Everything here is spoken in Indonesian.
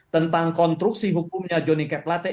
tentang kontruksi hukumnya johnny g plate